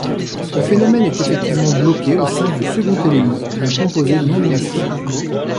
Le phénomène est effectivement bloqué au sein du second élément d'un composé non initial.